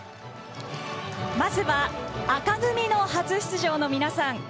まずは紅組の初出場の皆さん。